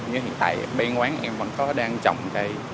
nhưng hiện tại bên quán em vẫn có đang trồng cây